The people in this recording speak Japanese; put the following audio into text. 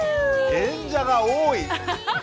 演者が多い。